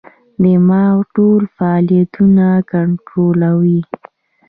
دماغ ټول فعالیتونه کنټرولوي.